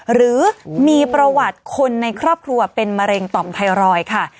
หรือมีประวัติคนในครอบครัวเป็นมะเร็งต่อมไทรอยด์ค่ะ